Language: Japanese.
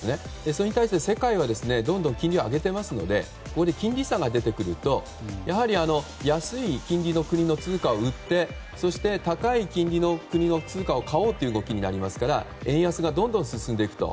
それに対して世界は、どんどん金利を上げていますので金利差が出るとやはり安い金利の国の通貨を売ってそして、高い金利の国の通貨を買おうという動きになりますから円安がどんどん進むと。